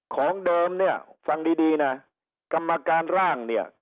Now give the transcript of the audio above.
ของเดิมเนี่ยฟังดีดีนะกรรมการร่างเนี่ย